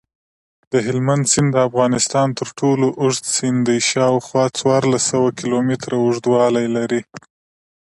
دهلمند سیند دافغانستان ترټولو اوږد سیند دی شاوخوا څوارلس سوه کیلومتره اوږدوالۍ لري.